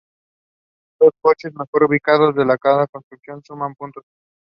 She was fascinated by the story.